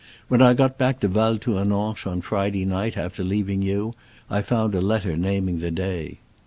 When I got back to Val Tournanche on Friday night, after leaving you, I found a letter naming the day."